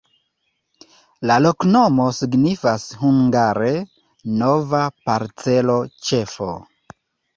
La loknomo signifas hungare: nova-parcelo-ĉefo.